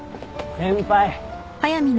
先輩。